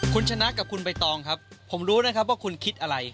คุณชนะกับคุณใบตองครับผมรู้นะครับว่าคุณคิดอะไร